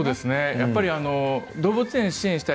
やっぱり動物を支援したい